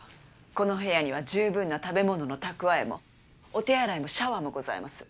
この部屋には十分な食べ物の蓄えもお手洗いもシャワーもございます。